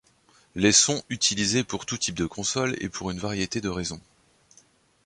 Les sont utilisés pour tous types de consoles, et pour une variété de raisons.